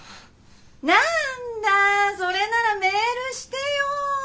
何だそれならメールしてよ！